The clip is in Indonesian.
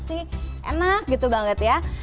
sih enak gitu banget ya